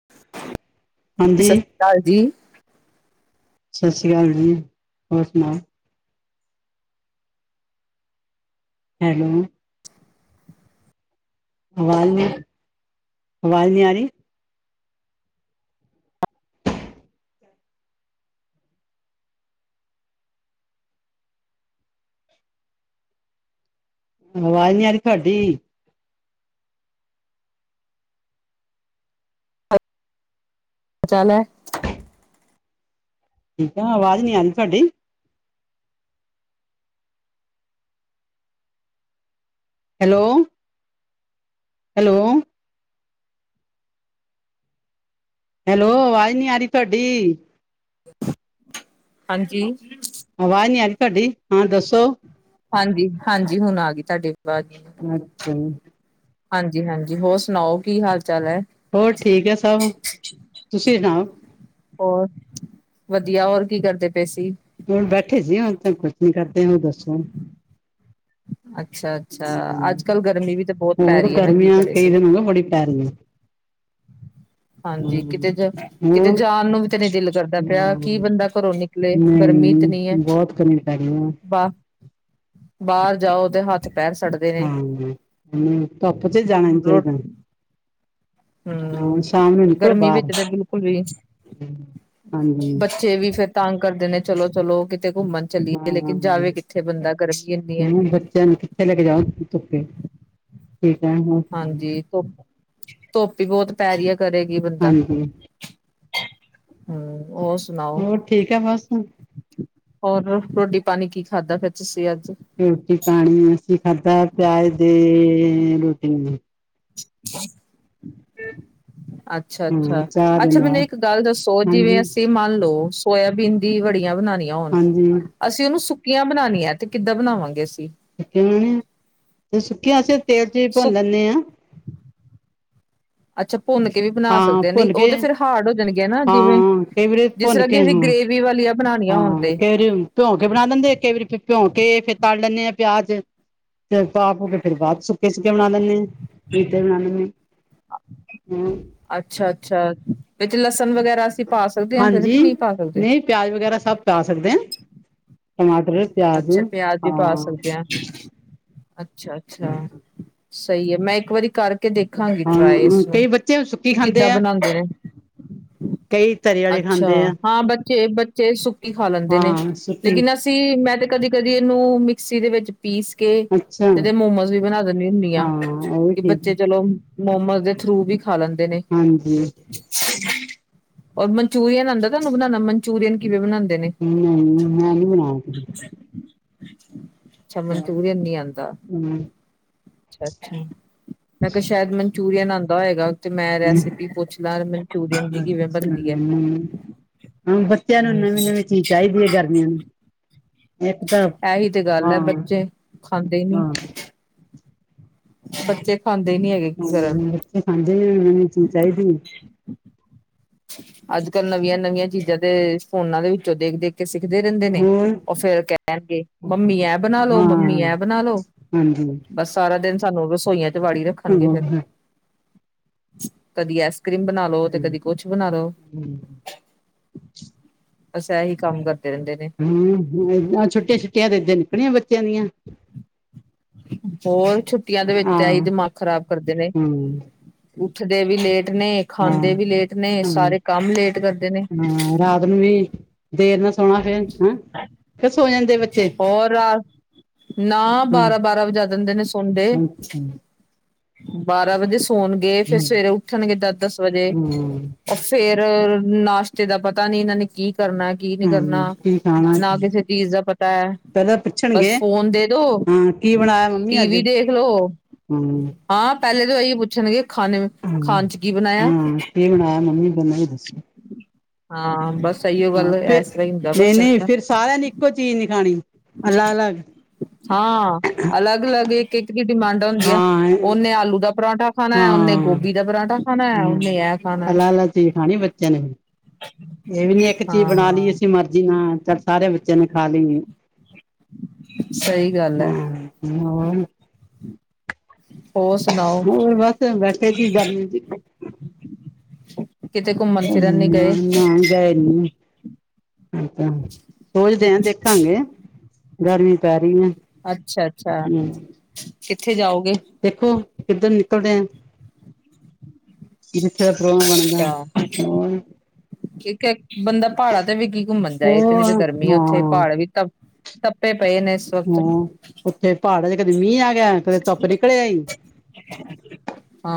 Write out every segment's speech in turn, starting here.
[inaudible] ਹਾਂਜੀ। ਢਲ ਜੀ। ਸਸ ਰੀ ਕਾਲ ਜੀ ਹੋਰ ਸੁਨਾਓ ਹੈਲੋ। ਅਵਾਜ ਨੀ, ਅਵਾਜ ਨੀ ਆ ਰਹੀ ਆਵਾਜ਼ ਨੀ ਆਰੀ ਤੁਆਡੀ। ਪਚਾਨਿਆ ਠੀਕ ਆ, ਆਵਾਜ਼ ਨੀ ਆ ਤੁਹਾਡੀ ਹੈਲੋ। ਹੈਲੋ। ਹੈਲੋ, ਆਵਾਜ਼ ਨੀ ਆ ਰੀ ਤੁਆਡੀ। ਹਾਂਜੀ। ਆਵਾਜ਼ ਨੀ ਆ ਰੀ ਤੁਆਡੀ। ਹਰ ਦੱਸੋ। ਹਾਂਜੀ ਹਾਂਜੀ ਹੁਣ ਆ ਗਈ ਤੁਆਡੀ ਵਾਜ ਮੈਨੂੰ ਅੱਛਾ ਜੀ ਹਾਂਜੀ ਹਾਂਜੀ ਹੋਰ ਸੁਣਾਓ ਕੀ ਹਾਲ ਚਾਲ ਐ ਹੋਰ ਠੀਕ ਹੈ ਸਭ ਤੁਸੀਂ ਸੁਣਾਓ। ਹੋਰ ਵਧੀਆ ਹੋਰ ਕੀ ਕਰਦੇ ਪਏ ਸੀ ਹੁਣ ਬੈਠੇ ਸੀ ਹੁਣ ਤਾਂ ਕੁੱਛ ਨੀ ਕਰਦੇ ਹੋਰ ਦੱਸੋ ਅੱਛਾ ਅੱਛਾ ਹਮ ਅੱਜ ਕੱਲ੍ਹ ਗਰਮੀ ਵੀ ਤੇ ਬਹੁਤ ਪੈ ਹੋਰ ਰਹੀ ਹੈ ਨਾ ਕਿ ਗਰਮੀਆਂ ਕਰੇ ਕਈ ਕੋਈ ਦਿਨ ਹੋ ਗਏ ਬੜੀ ਪੈ ਰਹੀ ਹੈ ਹਾਂਜੀ ਹਮ ਕਿਤੇ ਜਾ ਕਿੱਤੇ ਹੋਰ ਜਾਣ ਨੂੰ ਵੀ ਤੇ ਨਹੀਂ ਦਿਲ ਕਰਦਾ ਪਿਆ ਕੀ ਹਾਂ, ਬੰਦਾ ਘਰੋ ਨੀ ਨਿਕਲੇ ਗਰਮੀ ਇਤਨੀ ਹੈ ਨਹੀਂ ਬਹੁਤ ਗਰਮੀ ਪੈ ਰਹੀ ਹੈ ਬਾ ਬਾਹਰ ਜਾਓ ਤੇ ਹੱਥ ਪੈਰ ਸੜ ਹਾਂ ਹੂੰ ਧੁੱਪ ਚ ਜਾਣਾ ਨੀ ਚਾਹੀਦਾ ਹੂੰ ਹਾਂ ਸ਼ਾਮ ਨੂੰ ਨਿਕਲੋ ਗਰਮੀ ਵਿੱਚ ਬਾਹਰ ਤਾਂ ਬਿਲਕੁਲ ਵੀ ਹਾਂਜੀ ਬੱਚੇ ਵੀ ਫੇਰ ਤਾਂਗ ਕਰਦੇ ਨੇ ਚਲੋ ਚਲੋ ਕਿਤੇ ਘੁੰਮਣ ਚੱਲੀਏ ਹਾਂ ਲੇਕਿਨ ਜਾਵੇ ਕਿੱਥੇ ਬੰਦਾ ਗਰਮੀ ਇੰਨੀ ਹੈ ਤੈਨੂ ਕਿੱਥੇ ਲੈ ਕੇ ਜਾਓ ਧੁੱਪੇ ਠੀਕ ਏ ਹੁਨ ਹਾਂਜੀ ਧੁਪ ਧੁੱਪੀ ਹੀ ਬਹੁਤ ਪੈ ਰਹੀ ਆ ਕਰੇ ਕੀ ਬੰਦਾ ਹਾਂਜੀ ਹੂੰ ਹੋਰ ਸੁਣਾਓ ਹੋਰ ਠੀਕ ਹੈ ਬਸ ਹੋਰ ਰੋਟੀ ਪਾਨੀ ਕੀ ਖਾਧਾ ਫੇਰ ਤੁਸੀਂ ਅੱਜ ਰੋਟੀ ਪਾਣੀ ਅਸੀਂ ਖਾਧਾ ਪਿਆਜ ਦੇ ਰੋਟੀ ਨੂੰ [unintelligible] ਅੱਛਾ ਅੱਛਾ ਹਾਂ ਚਾਹ ਦੇ ਅੱਛਾ ਮੈਨੂੰ ਨਾਲ ਇੱਕ ਗੱਲ ਦੱਸੋ ਜਿਵੇਂ ਹਾਂਜੀ ਅਸੀਂ ਮੰਨ ਲਓ ਸੋਇਆਬੀਨ ਦੀ ਵੜੀਆਂ ਬਣਾਣੀਆਂ ਹੋਣ ਹਾਂਜੀ ਅਸੀਂ ਉਹਨੂੰ ਸੁੱਕੀਆਂ ਬਣਾਨੀਆਂ ਤੇ ਕਿੱਦਾਂ ਬਣਾਵਾਂਗੇ ਅਸੀਂ ਸੁੱਕੇ ਤੇ ਸੁੱਕੀਆਂ ਅਸੀਂ ਤੇਲ ਚ ਵੀ ਭੁੰਨ ਸੁੱਕ ਲੈਂਦੇ ਆ ਅੱਛਾ ਭੁੰਨ ਕੇ ਵੀ ਬਣਾ ਹਾਂ ਸਕਦੇ ਹ ਨਹੀਂ ਭੁੰਨ ਉਹ ਕੇ ਤੇ ਫਿਰ ਹਾਰਡ ਹੋ ਜਾਣਗੇ ਨਾ ਜਿਵੇਂ ਹਾਂ ਕਈ ਵਾਰੀ ਜਿਸ ਭੁੰਨ ਤਰ੍ਹਾਂ ਕੇ ਕਿ ਅਸੀਂ ਹਾਂ ਗ੍ਰੇਵੀ ਵੀਹ ਵਾਲੀ ਅਪ ਹਾਂ ਕਈ ਵਾਰੀ ਭਿਉਂਕੇ ਬਣਾ ਦਿੰਦੇ ਆ ਕਈ ਵਾਰੀ ਭਿਉਂਕੇ ਫਿਰ ਤਲ ਲੈਂਦੇ ਆ ਪਿਆਜ ਤੇ ਪਾ ਪੂ ਕੇ ਫੇਰ ਬਾਅਦ ਸੁੱਕੇ ਸੁੱਕੀਆਂ ਬਣਾ ਦਿੰਨੇ ਆ ਇਹ ਤੇ ਮੈਂ ਹਮ [unintelligible] ਅੱਛਾ ਅੱਛਾ ਵਿੱਚ ਲਸਣ ਵਗੈਰਾ ਪਾ ਸਕਦੇ ਹਾਂ ਫਿਰ ਕਿ ਹਾਂਜੀ ਨਹੀਂ ਪਾ ਸਕਦੇ? ਨਹੀਂ ਪਿਆਜ ਵਗੈਰਾ ਸਭ ਪਾ ਸਕਦੇ ਆ ਟਮਾਟਰ ਪਿਆਜ ਅੱਛਾ ਪਿਆਜ ਵੀ ਪਾ ਹਾਂ ਸਕਦੇ ਆ ਅੱਛਾ ਅੱਛਾ ਸਹੀ ਹੈ ਮੈਂ ਇੱਕ ਵਾਰੀ ਕਰ ਕੇ ਦੇਖਾਂਗੀ ਟਰਾਏ ਹਾਂ ਇਸਨੂੰ ਕਈ ਬੱਚੇ ਸੁੱਕੀ ਕੀ ਖਾਂਦੇ ਕਿੱਦਾਂ ਆ ਬਣਾਉਂਦੇ ਨੇ ਕਈ ਤਰੀ ਵਾਲੇ ਅੱਛਾ ਖਾਂਦੇ ਆ ਹਾਂ ਬੱਚੇ ਬੱਚੇ ਸੁੱਕੀ ਖਾ ਲੈਂਦੇ ਨੇ ਹਾਂ ਸੁੱਕੀ ਲੇਕਿਨ ਅਸੀ ਮੈਂ ਤੇ ਕਦੀ ਕਦੀ ਇਹਨੂੰ ਮਿਕਸੀ ਦੇ ਵਿੱਚ ਪੀਸ ਕੇ ਅੱਛਾ ਤੇ ਇਦੇ ਮੋਮੋਜ਼ ਵੀ ਬਣਾ ਦਿੰਨੀ ਹੁੰਨੀ ਆ ਹਾਂ ਉਹ ਵੀ ਕਿ ਠੀਕ ਬੱਚੇ ਚਲੋ ਮੋਮੋ ਦੇ ਥਰੂ ਵੀ ਖਾ ਲੈਂਦੇ ਨੇ। ਹਾਂਜੀ। [unintelligible] ਔਰ ਮੰਨਚੂਰੀਅਨ ਆਂਦਾ ਤਾਨੂੰ ਬਨਾਨਾ ਮਨਚੂਰੀਅਨ ਕਿਵੇ ਬਨਾਂਦੇ ਨੇ? ਨਈ ਨੀ ਮੈਂ ਨੀ ਬਨਾਯਾ ਕਦੀ। ਅਛਾ, ਮਨਚੂਰੀਅਨ ਨੀ ਆਂਦਾ। ਅੱਛਾ ਅੱਛਾ। ਮੈਂ ਕੈ ਸੈ਼ਦ ਮਨਚੂਰੀਅਨ ਆਂਦਾ ਹੋਏਗਾ। ਤੇ ਮੈਂ ਰੈਸਿਪੀ ਪੁੱਛ ਲਾਂ ਮਨਚੂਰੀਅਨ ਦੀ ਕਿਵੇਂ ਬਨਦੀ ਐ? ਕਦੀ ਹਾਂ ਬੱਚੇਆਂ ਨੂੰ ਨਵੀਂ ਨਵੀਂ ਚੀਜ ਚਾਈਦੀ ਐ ਗਰਮੀਆਂ ਨੂੰ। ਇੱਕ ਤਾਂ ਐਈ ਤੇ ਗੱਲ ਹਾਂ ਐ ਬੱਚੇ ਖਾਂਦੇ ਨੀ। ਹਾਂ ਹਾਂ ਬੱਚੇ ਖਾਂਦੇ ਨੀ ਹੈਗੇ। ਕੀ ਕਰਾਂ? ਤੇ ਖਾਂਦੇ ਏਨਾਨੂੰ ਚੀਜ ਚਾਈਦੀ ਏ। ਅੱਜ-ਕੱਲ ਨਵੀਆਂ ਨਵੀਆਂ ਚੀਜਾਂ ਤੇ ਫੋਨਾਂ ਦੇ ਵਿੱਚੋਂ ਦੇਖ ਦੇਖ ਕੇ ਸਿੱਖਦੇ ਰੇਂਦੇ ਨੇ। ਹੋਰ ਓ ਫੇਰ ਕੈਨਗੇ ਮੰਮੀ ਐ ਬਨਾ ਲੋ, ਹਾਂ ਮੰਮੀ ਐ ਬਨਾ ਲੋ। ਹਾਂਜੀ। ਬਸ ਸਾਰਾ ਦਿਨ ਸਾਨੂੰ ਰਸੋਈਆਂ ਚ ਵਾੜੀ ਰੱਖਨਗੇ ਫੇਰ ਹਾਂ ਕਦੀ ਐ ਕਰੀਮ ਬਨਾ ਲੋ, ਤੇ ਕਦੀ ਕੁਛ ਬਨਾ ਲੋ। ਅਸ ਐਹੀ ਕੰਮ ਕਰਦੇ ਰੇਂਦੇ ਨੇ। ਹੂੰ, ਆ ਛੁੱਟੀਆਂ- ਛੁੱਟੀਆਂ ਦੇ ਦਿਨ ਕਨੇ ਬੱਚੇਆਂ ਦੀਆਂ। ਹੋਰ, ਛੁੱਟੀਆਂ ਦੇ ਵਿੱਚ ਹਾਂ ਤੇ ਐਈ ਹਮ ਦਿਮਾਗ ਖਰਾਬ ਕਰਦੇ ਨੇ। ਹਾਂ ਉੱਠਦੇ ਵੀ ਲੇਟ ਨੇ, ਹਾਂ ਖਾਂਦੇ ਵੀ ਲੇਟ ਨੇ, ਸਾਰੇ ਕੰਮ ਲੇਟ ਕਰਦੇ ਨੇ। ਹੁਨ ਵੀ ਦੇਰ ਨਾਲ ਸੋਣਾ ਫੇ ਹਾ, ਕੇ ਸੋ ਜਾਂਦੇ ਬੱਚੇ। ਹੋਰਾ? ਨਾ, ਹਾਂ ਬਾਰਾਂ- ਬਾਰਾਂ ਵਜਾ ਦੇਂਦੇ ਨੇ ਸੌਂਦੇ। ਅੱਛਾ ਬਾਰਾਂ ਵਜੇ ਸੋਨਗੇ, ਫੇਰ ਸਵੇਰੇ ਹਮ ਉੱਠਨਗੇ ਦਸ- ਦਸ ਵਜੇ। ਹਮ ਓ ਫੇਰ ਨਾਸ਼ਤੇ ਦਾ ਪਤਾ ਨੀ। ਏਨਾਂ ਨੇ ਕੀ ਕਰਨਾ? ਕੀ ਕੀ ਨੀ ਕਰਨਾ। ਹਮ ਕੀ ਖਾਣਾ ਨਾ ਕਿਸੇ ਚੀਜ਼ ਦਾ ਪਤਾ ਐ। ਪਹਿਲਾਂ ਬਸ ਪੁੱਛਣਗੇ ਫੋਨ ਦੇ ਦੋ। ਹਾਂ ਕੀ ਬਣਾਇਆ ਮੰਮੀ ਅੱਜ ਟੀਵੀ ਦੇਖਲੋ। ਹੂੰ। ਹਾਂ, ਪੈਲੇ ਤੇ ਐਈ ਓ ਪੁੱਛਨਗੇ ਖਾਨੇ ਮੇ ਹੂੰ। ਹਾਂ, ਕੀ ਬਣਾਏਆ ਮੰਮੀ ਬ ਮਨ ਦਸੋ? ਹਾਂ, ਬਸ ਐਈਓ ਗੱਲ ਐਸ ਤਰਾਂ ਈ ਹੁੰਦਾ, ਬਸ ਏਨਨ ਦਾ। ਸਾਰੇਆਂ ਨੇ ਇੱਕੋ ਚੀਜ਼ ਨੀ ਖਾਣੀ, ਅਲਗ-ਅਲੱਗ। ਹਾਂ, ਅਲੱਗ-ਅਲੱਗ ਇੱਕ-ਇੱਕ ਦੀ ਡਿਮਾਂਡਾ ਹੁੰਦੀਆ ਐ। ਹਾਂ ਓਨੇ ਆਲੂ ਦਾ ਪਰੌਠਾ ਹਾਂ, ਹਂ। ਉਹਨੇ ਇਹ ਖਾਣਾ ਹੈ। ਅਲਗ-ਅਲੱਗ ਚੀਜ ਖਾਣੀ ਬੱਚੇਆਂ ਨੇ ਵੀ। ਏ ਵੀ ਨੀ ਏਕ ਚੀਜ਼ ਬਣਾ ਲੀਏ ਹਾਂ-ਹਾਂ ਅਸੀ ਮਰਜੀ ਨਾਲ। ਸਾਰੇਆਂ ਬੱਚੇਆਂ ਨੇ ਖਾ ਲੀ। ਸਹੀ ਗੱਲ ਹੈ, ਹਾਂ, ਹੋਰ। ਹੋਰ ਸੁਨਾਓ। ਹੋਰ ਬਸ ਬੈਠੇ ਸੀ ਗਰਮੀ ਚ ਕਿਤੇ ਘੁੰਮਣ ਹੂਂ ਫਿਰਨ ਹੁਨ ਨੀ ਗਏ, ਨਾਨ ਨਾਨ ਗਏ ਨੇ। ਅੱਛਾ, ਸੋਚਦੇ ਆਂ, ਦੇਖਾਂਗੇ। ਗਰਮੀ ਪੈ ਰੀ ਐ। ਅੱਛਾ ਅੱਛਾ, ਕਿੱਥੇ ਜਾਓਗੇ? ਦੇਖੋ, ਕਿੱਧਰ ਨਿਕਲਦੇ ਆ? ਜਿਥੇ ਦਾ ਪੋ੍ਗਰਾਮ ਬਣਦਾ ਹੋਰ। ਕਿ ਕੇ ਬੰਦਾ ਪਾੜਾਂ ਤੇ ਵੀ ਕੀ ਘੁੰਮਣ ਜਾਏ, ਉਹ ਇਤਨੀ ਤੇ ਗਰਮੀ ਐ ਹਾਂ ਓਥੇ ਪਾੜ ਵੀ ਤਪ ਤਪੇ ਪਏ ਨੇ। ਵਕਤ, ਹਾਂ, ਉੱਥੇ ਪਹਾੜਾਂ ਚ ਕਦੇ ਮੀਂਹ ਆ ਗਿਆ, ਕਦੇ ਧੁੱਪ ਨਿਕਲੇ ਆਈ।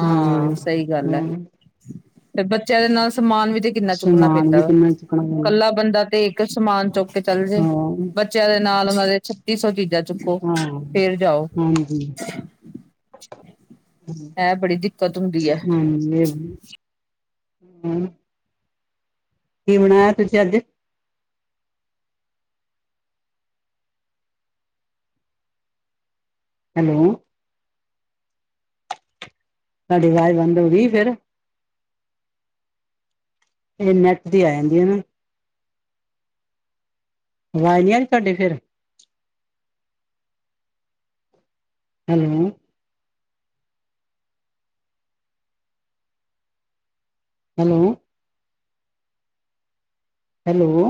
ਹਾਂ, ਸਹੀ ਗੱਲ ਹੈ। ਹਮ। ਤੇ ਬੱਚਿਆਂ ਦੇ ਨਾਲ ਸਮਾਨ ਵੀ ਤੇ ਕਿੰਨਾ ਚੁੱਕਣਾ ਸਮਾਨ ਪੈਂਦਾ ਵੀ ਵਾ। ਕਿੰਨਾ ਚੁੱਕਣਾ ਪੈਂਦਾ ਕੱਲਾ ਬੰਦਾ ਤੇ ਸਮਾਨ ਚੁੱਕ ਕੇ ਚੱਲ ਜਾਈਂ, ਹਾਂ ਬੱਚਿਆਂ ਦੇ ਨਾਲ ਉਹਨਾਂ ਦੇ ਛੱਤੀ ਸੌ ਚੀਜ਼ਾਂ ਨੇ। ਚੁੱਕੋ, ਹਾਂ ਫੇਰ ਜਾਓ। ਹਾਂਜੀ ਹੈ, ਬੜੀ ਦਿੱਕਤ ਹੁੰਦੀ ਹੈ। ਹਮ, ਇਹ। [unintelligible] ਹਮ। ਕੀ ਬਣਾਇਆ ਤੁਸੀਂ ਅੱਜ? ਹੈਲੋ। ਤੁਹਾਡੀ ਆਵਾਜ਼ ਬੰਦ ਹੋ ਗਈ ਫੇਿਰ? ਇਹ ਨੈੱਟ ਦੀ ਆ ਜਾਂਦੀ ਹੈ ਨਾ। ਆਵਾਜ਼ ਨਹੀਂ ਆਈ ਤੁਹਾਡੇ ਫੇਰ? ਹੈਲੋ। ਹੈਲੋ। ਹੈਲੋ।